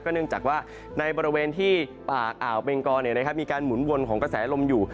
ก็เนื่องจากว่าในบริเวณที่ปากอ่าวเป็นก่อเนี่ยนะครับมีการหมุนวนของกระแสลมอยู่